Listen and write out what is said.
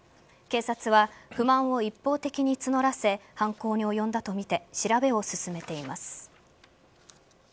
警察は不満を一方的に募らせ犯行に及んだとみて調べを進めています。